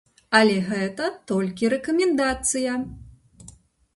Але гэта толькі рэкамендацыя.